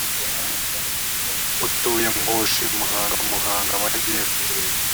utuye mpushi muhangamuhanga amajyepfo